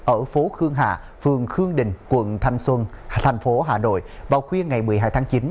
ở phố khương hà phường khương đình quận thanh xuân tp hà nội vào khuya ngày một mươi hai tháng chín